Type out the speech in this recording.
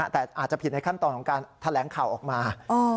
แต่อาจจะผิดในขั้นตอนของการแถลงข่าวออกมา